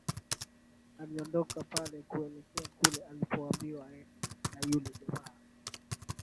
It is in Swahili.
Aliondoka pale kuelekea kule alipoambiwa aende na yule jamaa